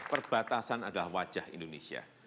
perbatasan adalah wajah indonesia